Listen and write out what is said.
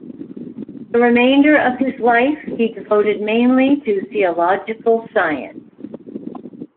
The remainder of his life he devoted mainly to theological science.